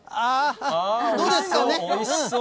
どうですかね？